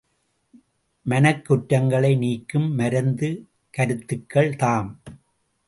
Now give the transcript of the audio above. மனக்குற்றங்களை நீக்கும் மருந்து கருத்துக்கள் தாம்.